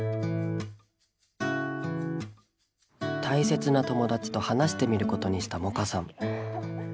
大切な友達と話してみることにした百花さん。